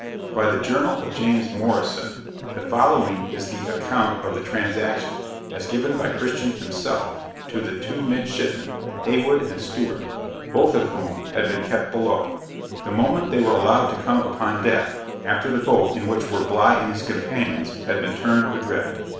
By the Journal of James Morrison, the following is the account of the transaction, as given by Christian himself to the two midshipmen, Heywood and Stewart (both of whom had been kept below), the moment they were allowed to come upon deck, after the boat, in which were Bligh and his companions, had been turned adrift.